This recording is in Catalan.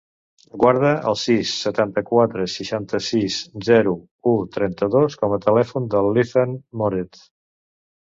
Guarda el sis, setanta-quatre, seixanta-sis, zero, u, trenta-dos com a telèfon de l'Ethan Moret.